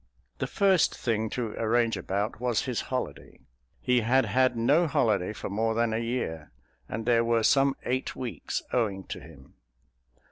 The first thing to arrange about was his holiday. He had had no holiday for more than a year, and there were some eight weeks owing to him.